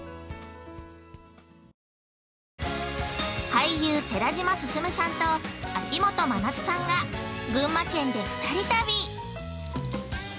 俳優、寺島進さんと秋元真夏さんが、群馬県で２人旅！